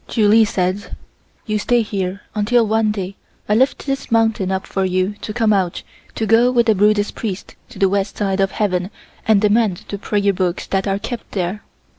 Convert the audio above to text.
Ju Li said: "You stay here until one day I lift this mountain up for you to come out to go with a Buddhist Priest to the West side of heaven and demand the prayer books that are kept there.